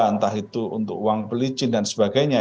antah itu untuk uang beli cinta dan sebagainya